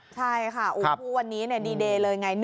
ใช่ค่ะวันนี้ดีเดย์เลยไง